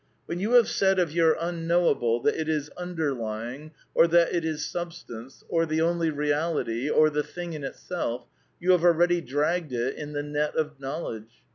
When you have said of your Un 116 A DEFENCE OF IDEALISM knowable that it is Underljingy or that it is Substance, or the only Reality, or the Thing in Itself, you have already dragged it in the net of knowledge.